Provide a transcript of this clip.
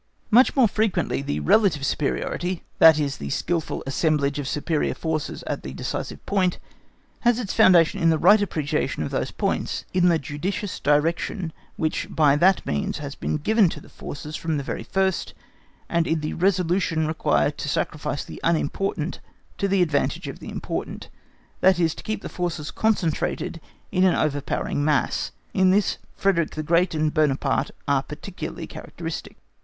Much more frequently the relative superiority—that is, the skilful assemblage of superior forces at the decisive point—has its foundation in the right appreciation of those points, in the judicious direction which by that means has been given to the forces from the very first, and in the resolution required to sacrifice the unimportant to the advantage of the important—that is, to keep the forces concentrated in an overpowering mass. In this, Frederick the Great and Buonaparte are particularly characteristic.